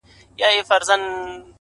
تور زهر دې د دوو سترگو له ښاره راوتلي _